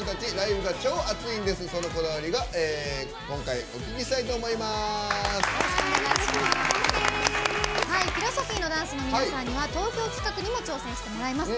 フィロソフィーのダンスの皆さんには投票企画にも挑戦してもらいます。